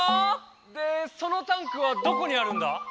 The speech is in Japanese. でそのタンクはどこにあるんだ？